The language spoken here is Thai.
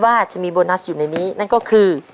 ว่าจะมีโบนัสอยู่ในนี้นั่นก็คือ